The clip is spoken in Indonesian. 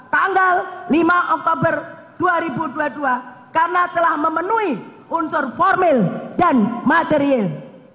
tanggal lima oktober dua ribu dua puluh dua karena telah memenuhi unsur formil dan materiel